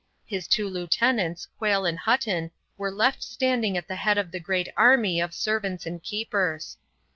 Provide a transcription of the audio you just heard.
His two lieutenants, Quayle and Hutton, were left standing at the head of the great army of servants and keepers.